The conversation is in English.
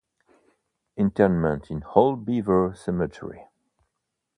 Interment in Old Beaver Cemetery.